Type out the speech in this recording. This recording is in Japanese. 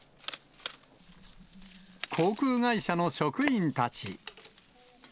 航空会社の職員たち。